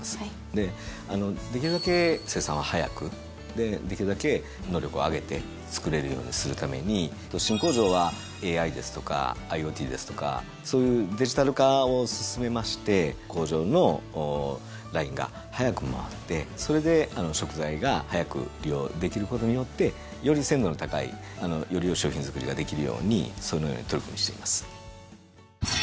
でできるだけ生産は早くでできるだけ能力を上げて作れるようにするために新工場はＡＩですとかＩｏＴですとかそういうデジタル化を進めまして工場のラインが早く回ってそれで食材が早く利用できることによってより鮮度の高いより良い商品作りができるようにそのように取り組みしています。